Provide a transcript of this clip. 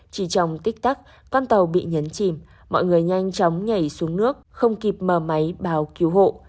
chỉ trong tích tắc con tàu bị nhấn chìm mọi người nhanh chóng nhảy xuống nước không kịp mờ máy báo cứu hộ